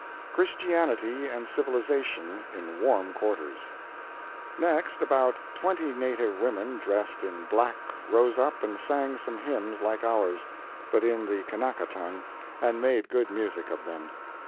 CHRISTIANITY AND CIVILIZATION IN WARM QUARTERS Next, about twenty native women dressed in black rose up and sang some hymns like ours, but in the Kanaka tongue, and made good music of them.